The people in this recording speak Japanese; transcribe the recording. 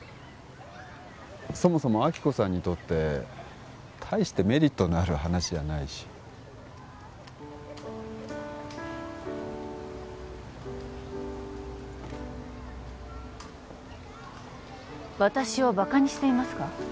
そもそも亜希子さんにとって大してメリットのある話じゃないし私をバカにしていますか？